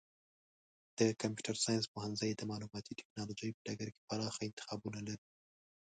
د کمپیوټر ساینس پوهنځی د معلوماتي ټکنالوژۍ په ډګر کې پراخه انتخابونه لري.